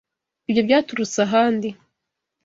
Ibyo byaturutse ahandi.